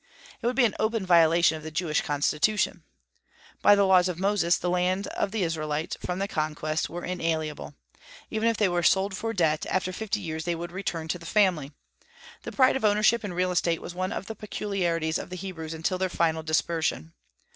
It would be an open violation of the Jewish Constitution. By the laws of Moses the lands of the Israelites, from the conquest, were inalienable. Even if they were sold for debt, after fifty years they would return to the family. The pride of ownership in real estate was one of the peculiarities of the Hebrews until after their final dispersion.